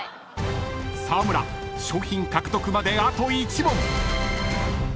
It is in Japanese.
［沢村賞品獲得まであと１問］